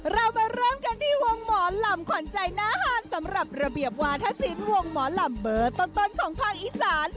เรามาเริ่มกันที่วงหมอลำขวัญใจหน้าฮานสำหรับระเบียบวาธศิลป์วงหมอลำเบอร์ต้นของภาคอีสาน